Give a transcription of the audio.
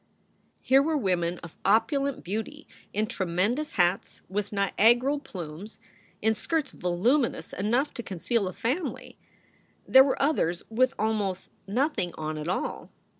Here were women of opulent beauty in tremendous hats, with Niagaral plumes, in skirts voluminous enough to con ceal a family. There were others with almost nothing on at all.